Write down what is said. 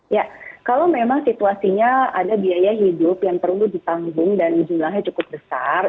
ya kalau memang situasinya ada biaya hidup yang perlu ditanggung dan jumlahnya cukup besar